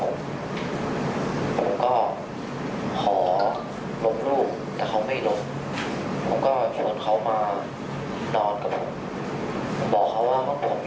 ก็จะพาเขานันเขาออกมา